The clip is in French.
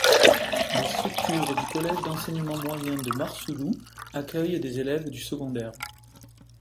Les structures du Collège d'Enseignement Moyen de Mar-Soulou accueillent des élèves du Secondaire.